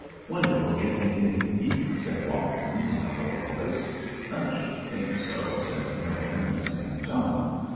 "Wonder if we'll git anythin' to eat," said Watkins, in a low voice. "Should think so," said Nolan, in the same tone.